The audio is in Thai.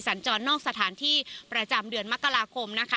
สัญจรนอกสถานที่ประจำเดือนมกราคมนะคะ